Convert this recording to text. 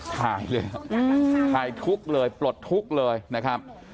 ถ่ายเลยถ่ายทุกข์เลยปลดทุกข์เลยนะครับ